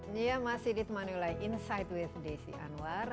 nya mas sidit manulai insight with desi anwar